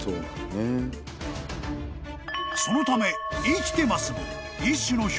［そのため「生きてます」も］